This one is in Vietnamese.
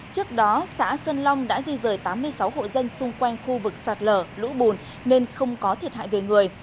trước đó xã sơn long đã di rời tám mươi sáu hộ dân xung quanh khu vực sạt lở lũ bùn nên không có thiệt hại về người